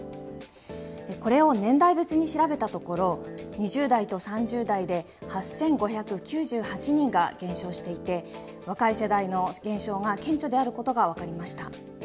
これを年代別に調べたところ、２０代と３０代で８５９８人が減少していて、若い世代の減少が顕著であることが分かりました。